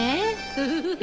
フフフ。